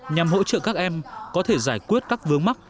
nhằm hỗ trợ các em có thể giải quyết các vướng mắc